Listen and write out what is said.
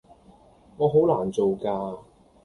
我好難做㗎